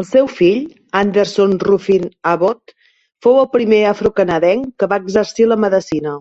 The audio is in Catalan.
El seu fill, Anderson Ruffin Abbot, fou el primer afrocanadenc que va exercir la medecina.